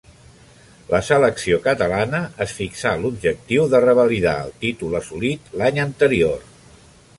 La selecció catalana es fixà l'objectiu de revalidar el títol assolit l'any anterior.